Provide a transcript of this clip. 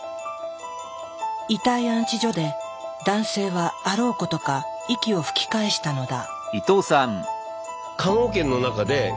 遺体安置所で男性はあろうことか息を吹き返したのだ。